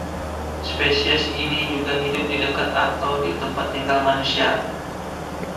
Spesies ini juga hidup di dekat atau di tempat tinggal manusia.